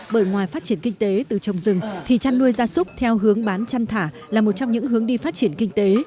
bởi ngoài phát triển kinh tế từ trồng rừng thì chăn nuôi gia súc theo hướng bán chăn thả là một trong những hướng đi phát triển kinh tế